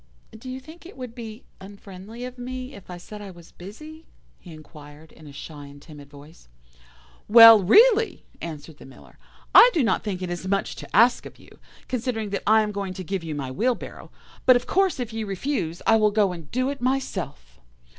"'Do you think it would be unfriendly of me if I said I was busy?' he inquired in a shy and timid voice. "'Well, really,' answered the Miller, 'I do not think it is much to ask of you, considering that I am going to give you my wheelbarrow; but of course if you refuse I will go and do it myself.